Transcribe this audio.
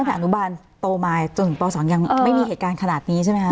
อนุบาลโตมาจนถึงป๒ยังไม่มีเหตุการณ์ขนาดนี้ใช่ไหมคะ